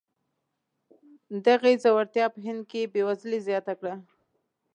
دغې ځوړتیا په هند کې بېوزلي زیاته کړه.